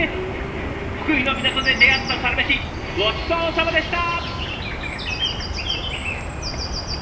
福井の港で出会ったサラメシごちそうさまでした。